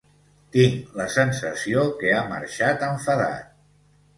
Tinc la sensació que ha marxat enfadat.